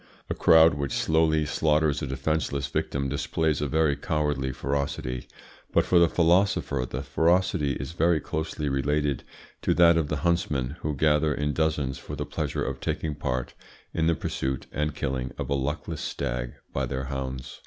A crowd which slowly slaughters a defenceless victim displays a very cowardly ferocity; but for the philosopher this ferocity is very closely related to that of the huntsmen who gather in dozens for the pleasure of taking part in the pursuit and killing of a luckless stag by their hounds.